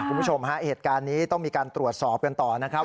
คุณผู้ชมฮะเหตุการณ์นี้ต้องมีการตรวจสอบกันต่อนะครับ